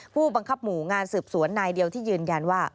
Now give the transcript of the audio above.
ผู้บังคับหมู่งานสืบสวนนายเดียวที่ยืนยันว่า